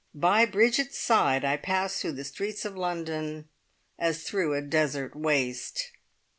By Bridget's side I passed through the streets of London as through a desert waste.